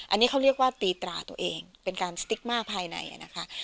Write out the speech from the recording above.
อันนี้เขาเรียกว่าตีตราตัวเองเป็นการสติ๊กมาภายในนะคะ